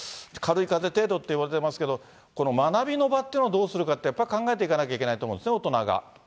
軽いかぜ程度っていわれてますけど、この学びの場っていうのはどうするかってやっぱり、やっぱり考えていかなければいけないと思うんですよね、大人が。